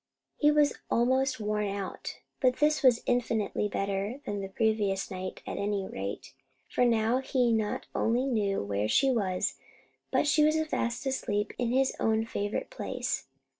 He was almost worn out; but this was infinitely better than the previous night, at any rate, for now he not only knew where she was, but she was fast asleep in his own favourite place.